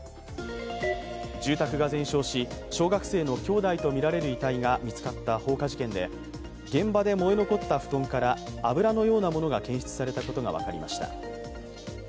住宅が全焼し、小学生の兄弟とみられる遺体が見つかった放火事件で、現場で燃え残った布団から油のようなものが検出されたことが分かりました。